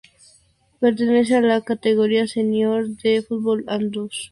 Pertenece a la categoría senior de fútbol andaluz.